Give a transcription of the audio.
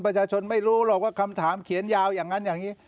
ประชาชนไม่รู้หรอกว่าคำถามเขียนยาวอย่างนั้นอย่างนี้